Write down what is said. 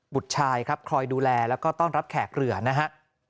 ชายครับคอยดูแลแล้วก็ต้อนรับแขกเรือนะฮะ